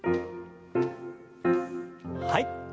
はい。